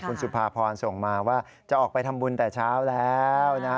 คุณสุภาพรส่งมาว่าจะออกไปทำบุญแต่เช้าแล้วนะฮะ